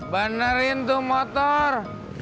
benerin tuh motor